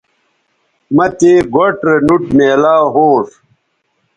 مہ تے گوٹھ رے نوٹ میلاو ھونݜ